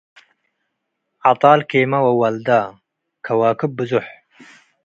ዐጣል ኬመ ወወልደ፤ ከዋክብ ብዞሕ ።